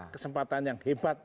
kesempatan yang hebat